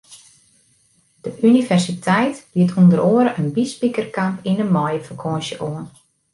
De universiteit biedt ûnder oare in byspikerkamp yn de maaiefakânsje oan.